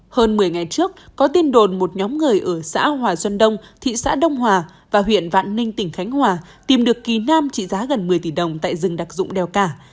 hơn một mươi ngày trước có tin đồn một nhóm người ở xã hòa xuân đông thị xã đông hòa và huyện vạn ninh tỉnh khánh hòa tìm được kỳ nam trị giá gần một mươi tỷ đồng tại rừng đặc dụng đèo cả